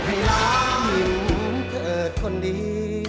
ไทยร้างเกิดคนดี